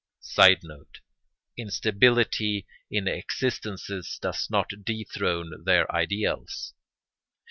[Sidenote: Instability in existences does not dethrone their ideals.